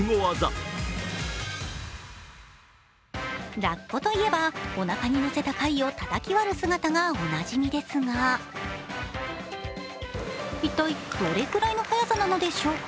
ラッコといえばおなかに乗せた貝をたたき割る姿がおなじみですが一体どれぐらいの早さなのでしょうか。